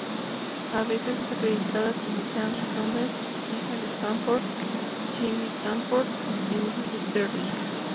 A veces es acreditada como Jamie Sommers, Denise Stafford, Jamie Stafford o Cindy Sterling.